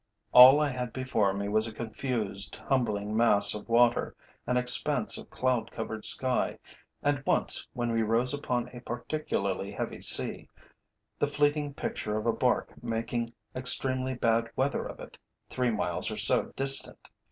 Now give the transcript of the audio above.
All I had before me was a confused, tumbling mass of water, an expanse of cloud covered sky, and once, when we rose upon a particularly heavy sea, the fleeting picture of a barque making extremely bad weather of it, three miles or so distant.